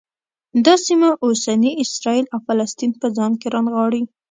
دا سیمه اوسني اسرایل او فلسطین په ځان کې رانغاړي.